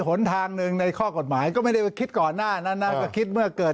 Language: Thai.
หนทางหนึ่งในข้อกฎหมายก็ไม่ได้ไปคิดก่อนหน้านั้นนะก็คิดเมื่อเกิด